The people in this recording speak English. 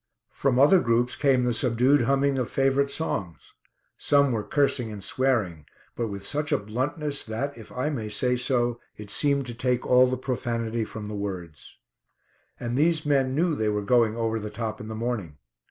From other groups came the subdued humming of favourite songs. Some were cursing and swearing, but with such a bluntness that, if I may say so, it seemed to take all the profanity from the words. And these men knew they were going "over the top" in the morning.